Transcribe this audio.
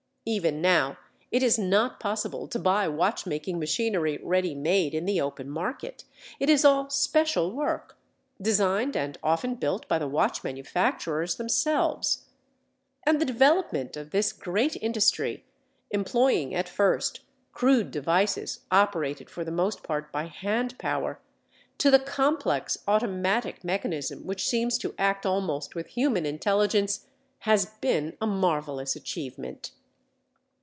Even now it is not possible to buy watch making machinery ready made in the open market; it is all "special" work, designed and often built by the watch manufacturers themselves. And the development of this great industry, employing, at first, crude devices operated for the most part by hand power, to the complex automatic mechanism which seems to act almost with human intelligence, has been a marvelous achievement.